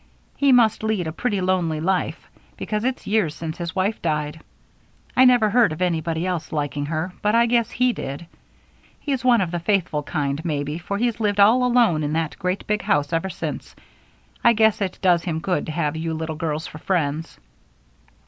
He must lead a pretty lonely life, because it's years since his wife died. I never heard of anybody else liking her, but I guess he did. He's one of the faithful kind, maybe, for he's lived all alone in that great big house ever since. I guess it does him good to have you little girls for friends."